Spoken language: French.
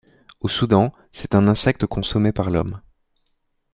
Au Soudan, c'est un insecte consommé par l'homme.